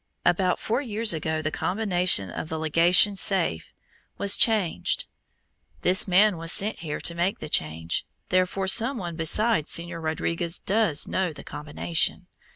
"About four years ago the combination on the legation safe was changed. This man was sent here to make the change, therefore some one besides Señor Rodriguez does know the combination.